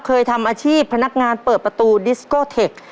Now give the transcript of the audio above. เคยทำอาชีพพนักงานเปิดประตูดิสโกเทค